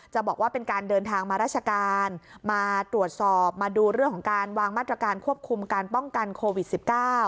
บอกว่าเป็นการเดินทางมาราชการมาตรวจสอบมาดูเรื่องของการวางมาตรการควบคุมการป้องกันโควิด๑๙